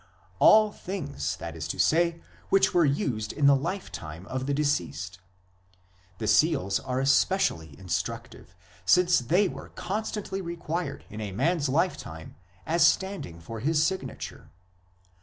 all things, that is to say, which were used in the lifetime of the deceased ; the seals are especially instructive, since they were constantly required in a man s lifetime as standing for his signature.